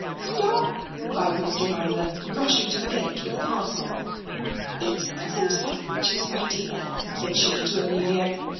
"Stop!" cried Miss Jemima, rushing to the gate with a parcel. "It's some sandwiches, my dear," said she to Amelia.